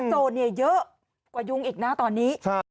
โจทย์เนี่ยเยอะกว่ายุงอีกนะตอนนี้